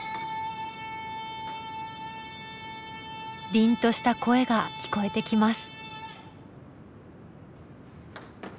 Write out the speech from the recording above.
りんとした声が聞こえてきます。